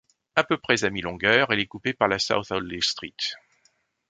À peu près à mi-longueur, elle est coupée par la South Audley Street.